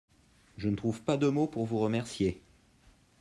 Je ne trouve pas de mot pour vous remercier.